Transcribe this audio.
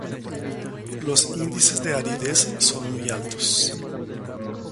Los índices de aridez son muy altos.